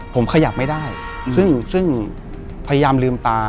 ผมขยับไม่ได้ซึ่งพยายามลืมตา